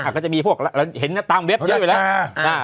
ก็จะมีพวกเห็นตามเว็บด้วยอยู่แล้วลักษณะ